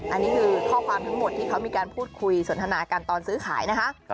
อันนี้คือข้อความทั้งหมดที่เขามีการพูดคุยสนทนากันตอนซื้อขายนะคะ